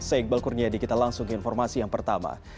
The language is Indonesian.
saya iqbal kurnia dikita langsung informasi yang pertama